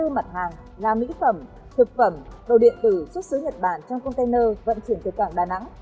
bốn mươi bốn mặt hàng là mỹ phẩm thực phẩm bầu điện tử xuất xứ nhật bản trong container vận chuyển từ cảng đà nẵng